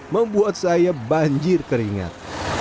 membuat saya banjir keringat